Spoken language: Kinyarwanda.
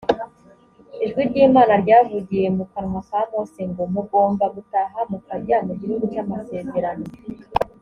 ijwi ry’imana ryavugiye mu kanwa ka mose ngo: mugomba gutaha mu kajya mu gihugu cya masezerano